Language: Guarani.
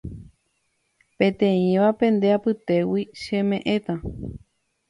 Peteĩva pende apytégui cheme'ẽta